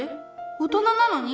大人なのに？